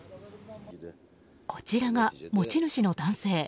こちらが持ち主の男性。